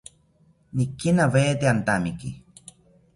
Nikinawete antamiki